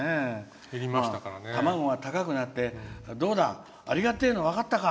卵が高くなってどうだ、ありがてえの分かったか！